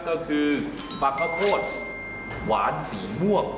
ก็คือปากข้าวโพดหวานสีม่วง